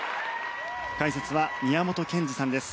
解説は宮本賢二さんです。